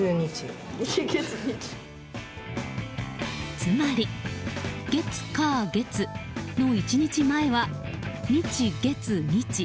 つまり、月火月の１日前は日月日。